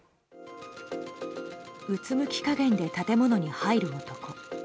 うつむき加減で建物に入る男。